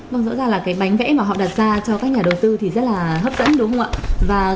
vâng rõ ràng là cái bánh vẽ mà họ đặt ra cho các nhà đầu tư thì rất là hấp dẫn đúng không ạ